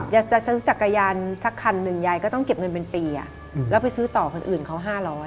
จะซื้อจักรยานสักคันหนึ่งยายก็ต้องเก็บเงินเป็นปีแล้วไปซื้อต่อคนอื่นเขา๕๐๐